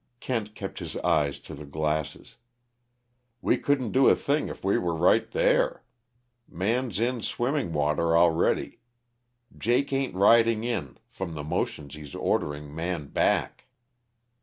Kent kept his eyes to the glasses. "We couldn't do a thing if we were right there. Man's in swimming water already. Jake ain't riding in from the motions he's ordering Man back."